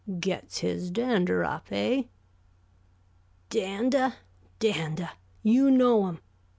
"Gets his dander up, eh?" "Dandah dandah! You know him?